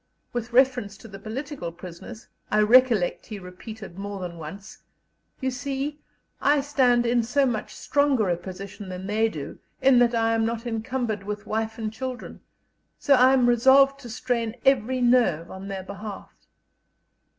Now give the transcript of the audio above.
With reference to the political prisoners, I recollect he repeated more than once: "You see, I stand in so much stronger a position than they do, in that I am not encumbered with wife and children; so I am resolved to strain every nerve on their behalf."